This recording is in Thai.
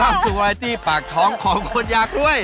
มารับสุขเวลาที่ปากท้องของคนยากด้วย